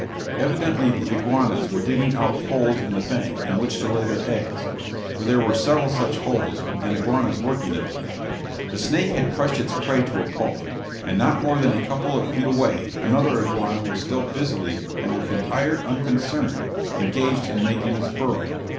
Evidently the iguanas were digging out holes in the bank in which to lay their eggs; for there were several such holes, and iguanas working at them. The snake had crushed its prey to a pulp; and not more than a couple of feet away another iguana was still busily, and with entire unconcern, engaged in making its burrow.